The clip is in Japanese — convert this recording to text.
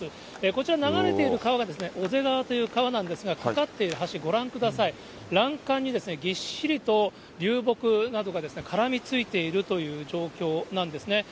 こちら、流れている川が小瀬川という川なんですが、架かっている橋、ご覧ください、欄干にぎっしりと流木などが絡みついているという状況なんですね。